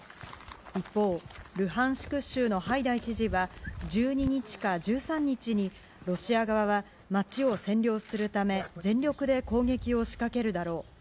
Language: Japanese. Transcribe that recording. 一方、ルハンシク州のハイダイ知事は、１２日か１３日に、ロシア側は街を占領するため、全力で攻撃を仕掛けるだろう。